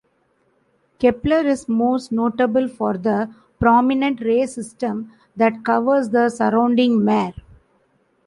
Kepler is most notable for the prominent ray system that covers the surrounding mare.